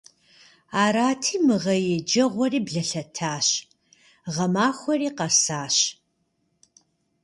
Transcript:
Арати, мы гъэ еджэгъуэри блэлъэтащ, гъэмахуэри къэсащ.